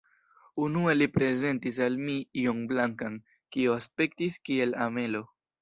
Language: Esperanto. Unue li prezentis al mi ion blankan, kio aspektis kiel amelo.